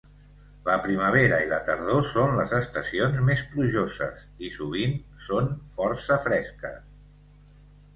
La primavera i la tardor són les estacions més plujoses, i sovint són força fresques.